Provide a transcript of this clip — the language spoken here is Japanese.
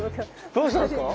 どうしたんですか？